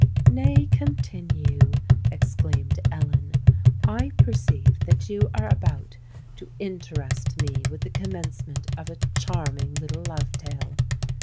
"Nay, continue," exclaimed Ellen. "I perceive that you are about to interest me with the commencement of a charming little love tale.